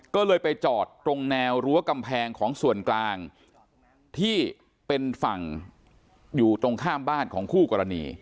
ก็เลยไปจอดตรงแนวรั้วกำแพงของส่วนกลางที่เป็นฝั่งอยู่ตรงข้ามบ้านของคู่กรณี